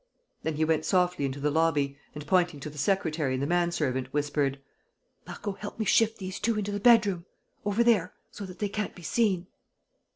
Then he went softly into the lobby and, pointing to the secretary and the manservant, whispered: "Marco, help me shift these two into the bedroom ... over there ... so that they can't be seen."